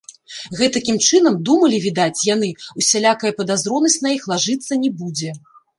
Гэтакім чынам, думалі, відаць, яны, усялякая падазронасць на іх лажыцца не будзе.